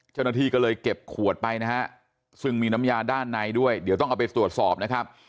เจ้าหน้าที่ก็เลยเก็บขวดไปนะฮะซึ่งมีน้ำยาด้านในด้วยเดี๋ยวต้องเอาไปตรวจสอบนะครับ